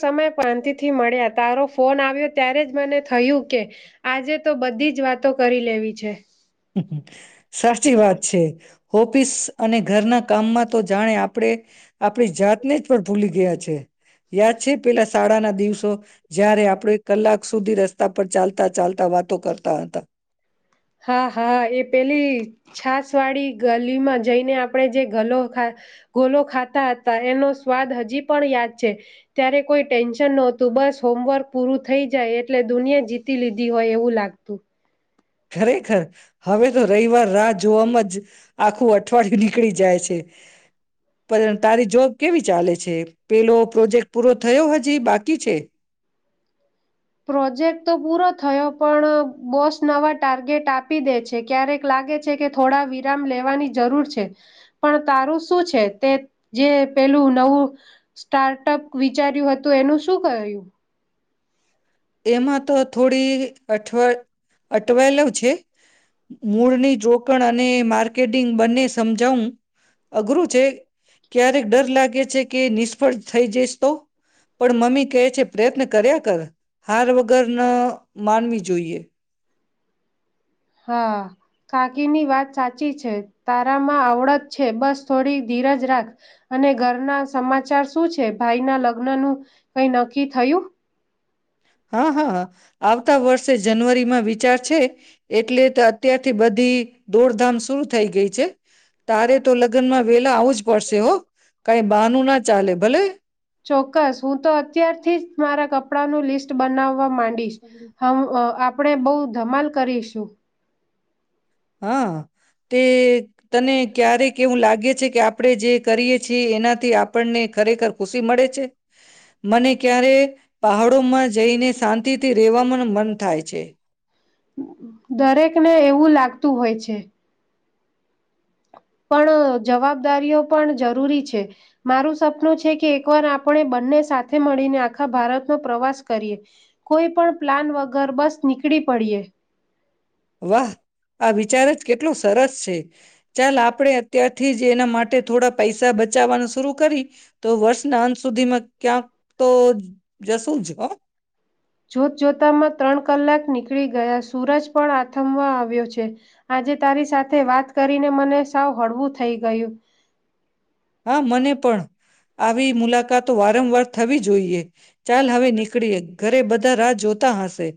સમય પ્રાંતિથી મળ્યા તારો ફોન આવ્યો ત્યારે જ મને થયું કે આજે તો બધી જ વાતો કરી લેવી છે સાષી વાદ છે ઓફિસ અને ઘરના કામમાં તો જાણે આપણેે આપણી જાત ને જ પણ ભૂલી ગયા છે યાદ છે પેલા શાળા ના દિવસો જયારે આપડો એક કલાક, સુધી રસ્તા પર ચાલતા ચાલતા વાતો કરતા હતા હા હાા એ પેલી છાસ વાળી ગલીમાં જઈને આપણે જે ગલોા ગોલો ખાતા હતા એનો સ્વાદ હજી પણ યાદ છે ત્યારે કોઈ ટેન્શન નહતું બસ હોમવર્ક પૂરું થઈ જાય એટલે દુનિયા જીતી લીધી હોય એવું લાગતું ખરેખર હવે તો રવિવાર રાહ જોવામાં જ આખું અઠવાડયું નીકળી જાય છે પણ તારી જોબ કેવી ચાલે છે પેલો પ્રોજેક્ટ પૂરો થયો હજી બાકી છે પ્રોજેક્ટ તો પૂરો થયો પણ બોસ નવા ટાર્ગેટ આપી દે છે ક્યારેક લાગે છે કે થોડા વિરામ લેવાની જરૂર છે પણ તારું શું છે તે જે પેલું નવું સ્ટાર્ટઅપ વિચાર્યું હતું એનું શું ક્યું એમાં તો થોડી અઠ અટવાયેલું છે મૂળની રોકણ અને માર્કેટિંગ બંને સમજાવું અઘરું છે. ક્યારેક ડર લાગે છે કે નિષ્ફળ થઈ જઈશ તો. પણ મમ્મી કહે છે પ્રયત્ન કર્યા કર. હાર વગર ન માનવી જોઈએ. હા, કાકીની વાત સાચી છે, તારામાં આવડત છે બસ થોડી ધીરજ રાખ, અને ઘરના સમાચાર શું છે ભાઈના લગ્નનું, કઈ નક્કી થયું? હા હા હ, આવતા વર્ષે જનવરીમાં વિચાર છે, એટલે તો અત્યારથી બધી દોડધામ શુરૂ થઈ ગઈ છે, તારે તો લગ્નમાં વેલા આવું જ પડશે હો. કઈ બાનું ના ચાલે. ભલે ચોક્કસ હું તો અત્યારથી જ મારા કપ્પ કપડાનું લિસ્ટ બનાવવા માડી ડીસ, હવ અ આપડે બવ ધમાલ કરીશું. હા, તે તને ક્યારેક કેવું લાગે છે કે આપણે જે કરીએ છીએ એનાથી આપણને ખરેખર ખુશી મળે છે? મને ક્યારે પહાડોમાં જઈને શાંત તી થી રહેવા મને મન થાય છે. દરેકને એવું લાગતું હોય છે. પણ જવાબદારીઓ પણ જરૂરી છે, મારું સપનું છે કે એકવાર આપણે બંને સાથે મળીને આખા ભારતનો પ્રવાસ કરીએ, કોઈપણ પ્લાન વગર બસ નીકળી પડીએ. વાહ, આ વિચાર જ કેટલો સ સરસ છે. ચાલ આપડે અત્યારથી જ જે એના માટે થોડા પૈસા બચાવવાનું શુરૂ કરી. તો વર્ષના અંત સુધીમાં ક્યાંક તો જશ શું જ હ. જોત જોતામાં ત્રણ કલાક નીકળી ગયા સુરજ પણ આથમવા આવ્યો છે, આજે તારી સાથે વાત કરીને મને સાવ હળવું થઈ ગયું. હા મને પણ. આવી મુલાકાત તો વારંવાર થવી જોઈએ. ચાલ હવે નીકળયે. ઘરે બધા રાહ જોતા હશે.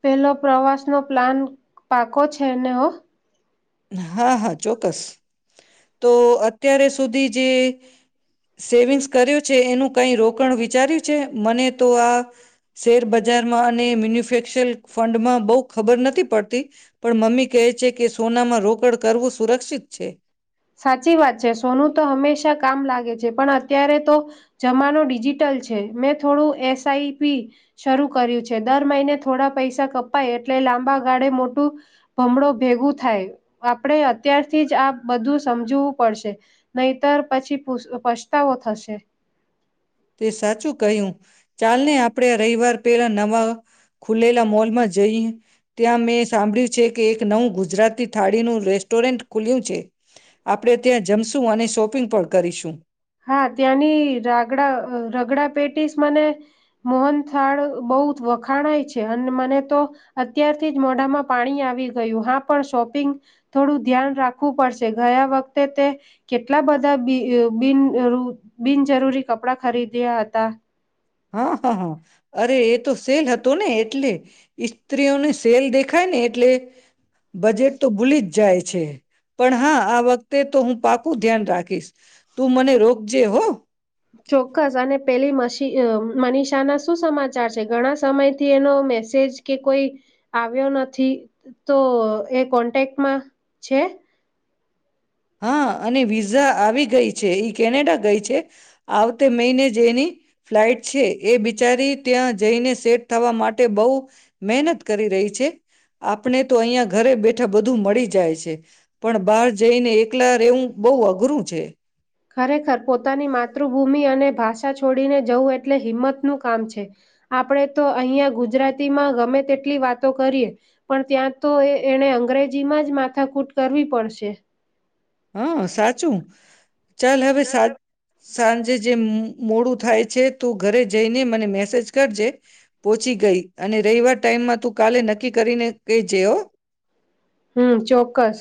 પેલો પ્રવાસનો પ્લાન પાકો છે ને હો. હા હા ચોક્કસ, તો અત્યારે સુધી જે સેવિંગ્સ કર્યું છે એનું કઈ રોકાણ વિચાર્યું છે મને તો આ શેર બજારમાં અને મેન્યુફે [unintelligible] ફંડ માં બહ ખબર નથી પડતી પણ મમ્મી કહે છે કે માં રોકડ કરવું સુરક્ષિત છે. સાચી વાત છે સોનું તો હંમેશા કામ લાગે છે. પણ અત્યારે તો જમાનો ડિજિટલ છે મેં થોડું એસઆઈપી શરૂ કર્યું છે દર મહિને થોડા પૈસા કપાય એટલે લાંબા ગાળે મોટું ભમણો ભેગું થાય આપણે અત્યારથી જ આ બધું. સમજવું પડશે નહીતર પછી પછતાવો થશે. તે સાચું કહ્યું. ચાલ ને આપડે રહી. [unintelligible] વાર પેલા નવા ખુલેલા મોલમાં જઈ ત્યાં મેં સાંભળ્યું છે. કે એક નવું ગુજરાતી થાળી ન રેસ્ટોરન્ટ ખુલ્યું છે આપણે ત્યાં જમશું અને શોપિંગ પણ કરીશું. હા ત્યાંની રાગડા રગડા પેટીસ મને મોહનથાળ બહુ વખાણાય છે અને મને તો અત્યારથી જ મોઢામાં પાણી આવી ગયું હા પણ શોપિંગ થોડું ધ્યાન રાખવું પડશે ગયા વખતે તે કેટલા બધા બિન. બિનજરૂરી કપડા ખરીદ્યા હતા. હા હા હા અરે એ તો સેલ હતો ને, એટલે સ્ત્રીઓને સેલ દેખ. ખાય ને એટલે. બજેટ તો ભૂલી જ જાય છે પણ હા આ વખતે તે તો હું પાકું ધ્યાન રાખીશ. તું મને રોગ જે હો. ચોક્કસ અને પે મનીષા ના શું સમાચાર છે ઘણા સમય થી એનો મે. જ કે કોઈ આવ્યો નથી તો એ કોન્ટેક્ટમાં છે. હા અને વિઝા આવી ગઈ છે એ કેનેડા ગઈ છે આવતે મહિને જેની ફ્લાઈટ છે એ બિચારી ત્યાં જઈને સેટ થવા માટે બહ મહેનત કરી રહી છે આપણે તો અહં ઘરે બેઠા બધું મળી જાય છે. પણ બહાર જઈને એક એકલર એવું બહ અઘરું છે. ખરેખર પોતાની માતૃભૂમિ અને ભાષા છોડીને જવું એટલે હિંમતનું કામ છે આપણે તો અહીંયા ગુજરાતીમાં ગમે તેટલી વાતો કરીએ પણ ત્યાં તો એને અંગ્રેજીમાં જ માથાકૂટ કરવી પડશે. હા સાચું. ચાલ હવે સાત સાંજે જે. મોડું થાય છે તું ઘરે જઈને મને મેસેજ કરજે પોહોચી ગઈ અને રવિવાર ટાઈમમાં તું કાલે નક્કી કરીને કહીજે. હમ ચોક્કસ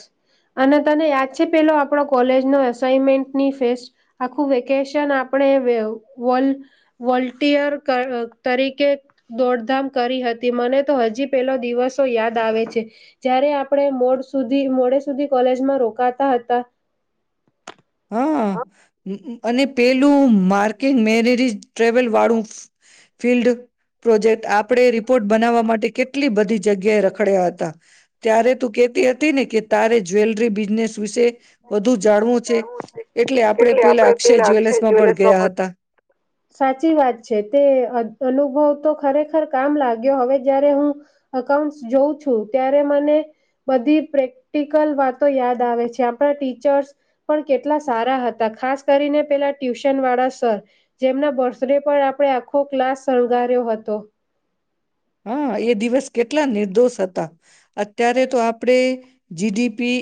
અને તને યાદ છે પેલો આપણો કોલેજનો અસાઈમેન્ટની ફેસ્ટ આખું વેકેશન આપણે વલિયર તરીકે દોડધામ કરી હતી મને તો હજી પેલો દિવસો યાદ આવે છે જ્યારે. આપણે મોડ સુધી મોડે સુધી કોલેજમાં રોકાતા હતા. હા. અને પેલું માર્કિન મેરીરી ટ્રેવલ વાળું ફિલ્ડ પ્રોજેક્ટ આપણે રિપોર્ટ બનાવવા માટે કેટલી બધી જગ્યાએ રખડ્યા હતા ત્યારે તું કેહેતી હતી ને કે તારે જ્વેલરી બિઝનેસ વિશે. વધુ જાળવું છે. એટલે આપણે પેલા અક્ષય જ્વેલર્સમાં પણ ગયા હતા સાચી વાત છે તે અનુભવ તો ખરેખર કામ લાગ્યો હવે જય્યારે હું અઉન્ટ જોઉં છું ત્યારે મને બધી પ્રેક્ટિકલ વાતો યાદ આવે છે. આપળા ટીચર્સ પણ કેટલા સારા હતા ખાસ કરીને પેલા ટ્યુશન વાળા સર જેમના બર્થડે પણ આપળે આખો ક્લાસ શણગાર્યો હતો. હા એ દિવસ કેટલા નિર્દોષ હતા, અત્યારે તો આપડે જીડીપી,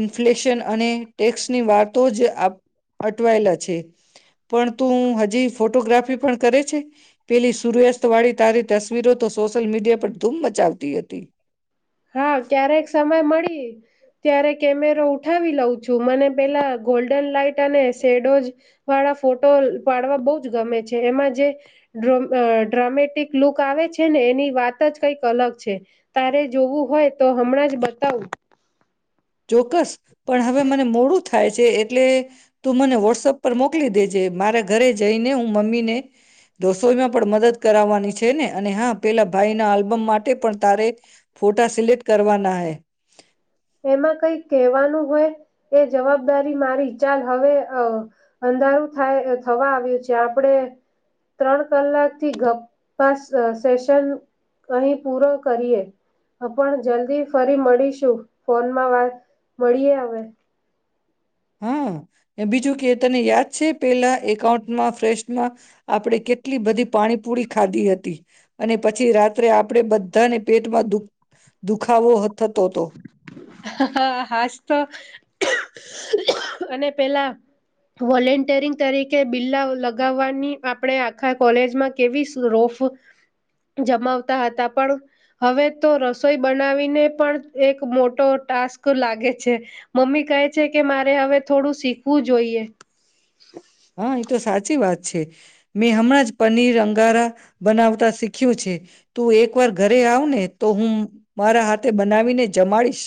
ઇન્ફ્લેશન અને ટેક્સની વાર્તો જ આપ અટવાયેલા છે, પણ તું હજી ફોટોગ્રાફી પણ કરે છે પેલી સૂર્યાસ્ત વાળી તારી તસવીરો તો સોશિયલ મીડિયા પર ધૂમ મચાવતી હતી. હા ક્યારેક સમય મળી ત્યારે કેમેરો ઉઠાવી લઉં છું મને પેલા ગોલ્ડન લાાઈટ અને શેડોઝ વાળા ફોટો પાડવા બહ જ ગમે છે, એમાં જે ડ્રમ અ ડ્રામેટિક લુક આવે છે ને એની વાત જ કઈક અલગ છે તારે જોવું હોય તો હમણાં જ બતાવું. ચોક્કસ. પણ હવે મને મોડું થાય છે એટલે [unintelligible] તું મને વોટસપ પર મોક મોકલી દેજે મારા ઘરે જઈને હું મમ્મી ને [unintelligible] રસોઈમાં પણ મદદ કરાવાની છે ને, અને હા પેલા ભાઈ ના આલ્બમ માટે પણ તારે ફોટા સિલેક્ટ કરવાના હે. એમાં કઈ કહેવાનું હોય, એ જવાબદારી મારી ચાલ હવે અ અંધારું થાય અ થવા આવ્યું છે આપણે ત્રણ કલાક થી ગપાસઅ સેશન અહી પૂરો કરીએ, પણ જલ્દી ફરી મળીશું. ફોનમાં વાત મળીએ હવે. હા એ બીજું કે તને યાદ છે પેલા એકાઉન્ટમાં ફ્રેશમાં આપળે કેટલી બધી પાણીપુરી ખાધી હતી અને પછી રાત્રે આપળે બધાને પેટમાં દુ દુખાવોહ થતો હતો. હા હાજ તો [unintelligible] અને પેલા, વોલેન્ટિરિંગ તરીકે બિલા લગાવાની આપળે આખા કોલેજમાં કેવી શુંરોફ જમાવતા હતા પણ હવે તો રસો રસોઈ બનાવીને પણ એક મોટો ટાસ્ક લાગે છે મમ્મી કહે છે કે મારે હવે થોડું શીખવું જોઈએ. હા એ તો સાચી વાત છે. મે હમણાં જ પનીર અં ઘરા બનાવતા શીખ્યું છે. તું એક વાર ઘરે આવ ને તો હું મારા હાથે બનાવીને જમાળીશ.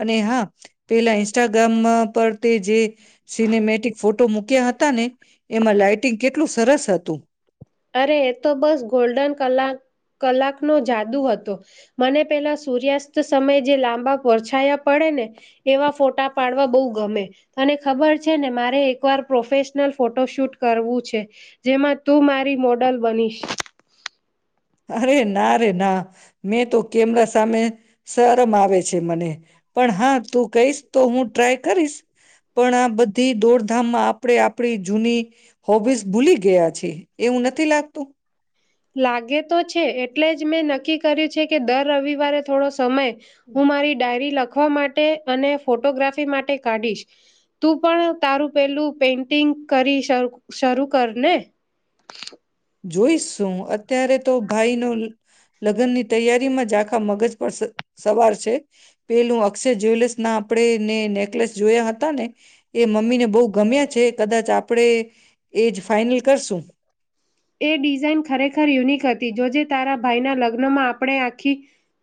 અને હા પેલા ઇન્સ્ટાગ્રામા પર તે જે સિનેમેટિક ફોટો મૂક્યા હ તા ને એમાં લાઈટિંગ કેટલું સરસ હતું. અરે એ તો બસ ગોલ્ડન કલાક કલાકનું જાદુ હતો, મને પેલા સૂર્યાસ્ત સમયે જે લાંબા પરછાયા પડે ને એવા ફોટા પાડવા બહુ ગમે અને ખબર છે ને મારે એકવાર પ્રોફેશનલ ફોટો શૂટ કરવું છે, જેમાં તું મારે રી મોડલ બનીશ. અરે ના રે ના, મેં તો કેમરા સામે શરમ આવે છે મને પણ હા તું કહીશ તો હું ટ્રાય કરીશ [unintelligible] પણ આ બધી દોડધામમાં આપળે આપળી જૂની હોબીસ ભૂલી ગયા છે. એવું નથી લાગતું? લાગે તો છે એટલે જ મેં નક્કી કર્યું છે કે દર રવિવારે થોડો સમય [unintelligible] હું મારી ડાયરી લ લખવા માટે અને ફોટોગ્રાફી માટે કાઢીશ, તું પણ તારું પેલું પેન્ટિંગ કરી [unintelligible] શરૂ કર ને. જોઈશ શું અત્યારે તો ભાઈ નું લ લગનની તૈયારીમાં જા આખા મગજ પર સ સવાર છે, પેલું અક્ષય જ્વેલસ ના આપળે ને નેકલેસ જોયા હતા ને એ મમ્મી ને બો ગમ્યા જે કદાચ આપડે એજ ફાઈનલ કરશું. એ ડિઝાઇન ખરેખર યુનિક હતી જો જે તારા ભાઈના લગ્નમાં આપણે આખી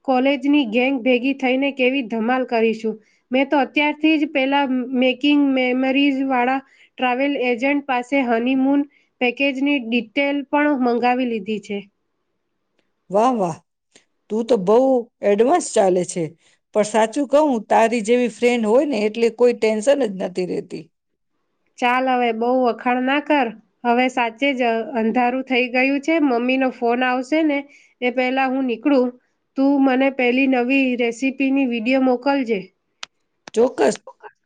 કોલેજની ગેંગ ભેગી થઈને કેવી ધમાલ કરીશું મેં તો અત્યારથી જ પેલા મેકિંગ મેમરીઝ વાળા ટ્રાવેલ એજન્ટ પાસે હનીમૂન પેકેજની ટી તેલ પણ મંગાવી લીધી છે. વાહ વાહ તું તો બઉ એડવાન્સ ચાલે છે પણ સાચું કવું તારી જેવી ફ્રેન્ડ હોય ને એટલે કોઈ ટેન્શન જ નથી રેતી. ચાલ હવે બહુ વખાણ ના કર હવે સાચે જ અંધારું થઈ ગયું છે મમ્મી નો ફોન આવશે ને એ પેલા હું નીકળું તું મને પેલી નવી રેસીપીની વિડીયો મોકલજે. ચોક્કસ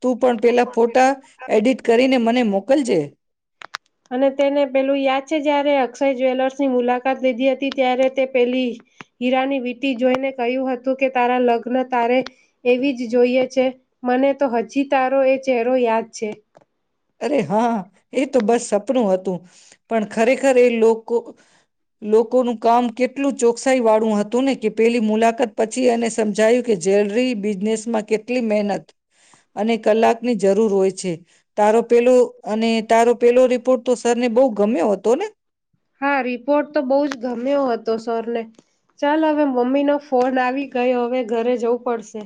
તું પણ પેલા ફોટા એડિટ કરીને મને મોકલજે. અને તેને પેલું યાદ છે જ્યારે અક્ષય જ્વેલર્સની મુલાકાત લીધી હતી ત્યારે તે પેલી હીરાની વીટી જોઈને કહ્યું હતું કે તારા લગ્ન તારે એવી જ જોઈએ છે મને તો હજી તારો એ ચહેરો યાદ છે. અરે હા એ તો બસ સપનું હતું પણ ખરેખર એ લોકો લોકોનું કામ કે એટલું ચોકસાઈ વાળું હતું ને કે પેલી મુલાકાત પછી એને સમજાયું કે જ્વેલરી બિઝનેસમાં કેટલી મહેનત અને કલાકની જરૂર હોય છે. તારો પેલું અને તારો પેલો રિપોર્ટ તો સર તને બો ગમ્યો હતો ને. હા રિપોર્ટ તો બોજ ગમ્યો હતો સરને ચાલ હવે મમ્મી નો ફોન આવી ગયો હવે ઘરે જવું પડશે.